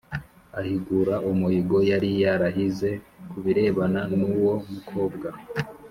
Ahigura umuhigo yari yarahize ku birebana n’ uwo mukobwa